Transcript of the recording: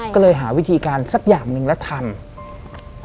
ก็เลยหาวิธีการสักอย่างหนึ่งแล้วทำ